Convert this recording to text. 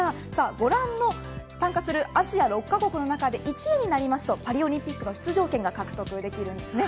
ご覧の参加するアジア６カ国の中で１位になりますとパリオリンピックの出場権が獲得できます。